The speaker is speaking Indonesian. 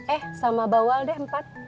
eh sama bawal deh empat